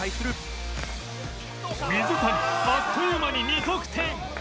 水谷あっという間に２得点！